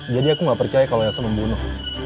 jadi aku gak percaya kalo elsa membunuh